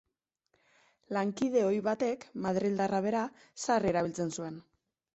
Lankide ohi batek, madrildarra bera, sarri erabiltzen zuen.